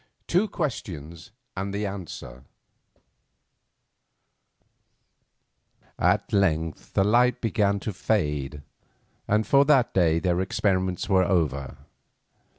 TWO QUESTIONS, AND THE ANSWER At length the light began to fade, and for that day their experiments were over.